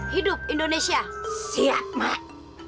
hidup indonesia siap mak